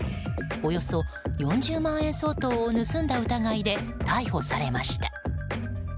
およそ４０万円相当を盗んだ疑いで逮捕されました。